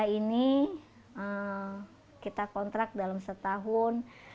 rumah singga ini kita kontrak dalam setahun